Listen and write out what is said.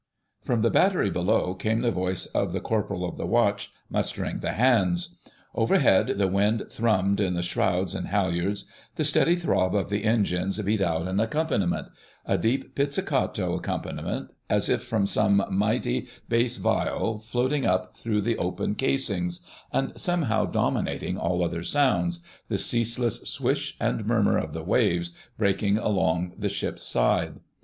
From the battery below came the voice of the Corporal of the Watch mustering the hands. Overhead the wind thrummed in the shrouds and halliards: the steady throb of the engines beat out an accompaniment—a deep pizzicato accompaniment as if from some mighty bass viol floating up through the open casings—and, somehow dominating all other sounds, the ceaseless swish and murmur of the waves breaking along the ship's side.